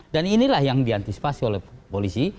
dan inilah yang diantisipasi oleh polisi